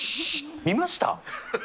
見ました？